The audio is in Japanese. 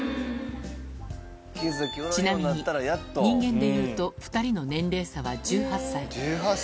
ちなみに、人間でいうと２人の年齢差は１８歳。